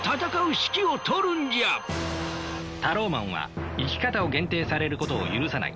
タローマンは生き方を限定されることを許さない。